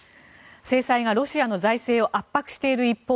制裁がロシアの財政を圧迫している一方